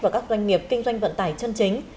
và các doanh nghiệp kinh doanh vận tải chân chính